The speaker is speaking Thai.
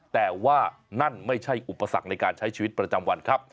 แต่ว่านั่นไม่ใช่อุปสรรคในการใช้ชีวิตประจำวันครับ